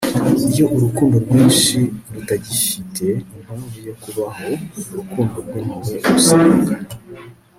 iyo urukundo rwinshi rutagifite impamvu yo kubaho, urukundo rwimpuhwe rusanga